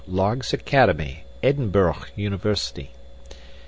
Largs Academy; Edinburgh University.